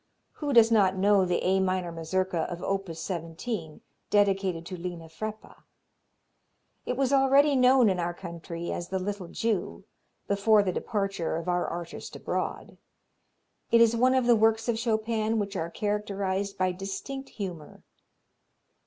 Who does not know the A minor Mazurka of op. 17, dedicated to Lena Freppa? Itwas already known in our country as the "Little Jew" before the departure of our artist abroad. It is one of the works of Chopin which are characterized by distinct humor.